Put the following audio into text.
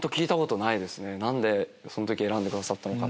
何でその時選んでくださったのか。